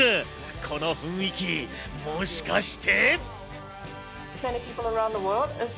この雰囲気、もしかして？